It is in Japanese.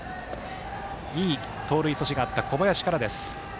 いい盗塁阻止があった小林から。